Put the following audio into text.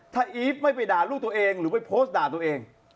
ถ้าอีฟไม่ไปด่าลูกตัวเอง